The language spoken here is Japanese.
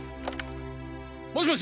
もしもし！